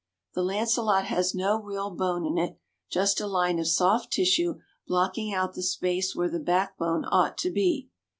The lancelet has no real bone in it, just a line of soft tissue blocking out the space where the backbone ought to be.